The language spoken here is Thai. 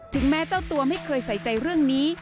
แม้เจ้าตัวไม่เคยใส่ใจเรื่องนี้